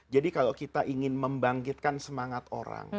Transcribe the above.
jadi kalau kita ingin membangkitkan semangat orang